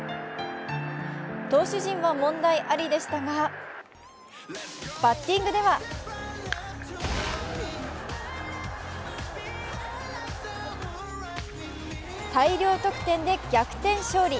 投手陣は問題ありでしたがバッティングでは大量得点で逆転勝利。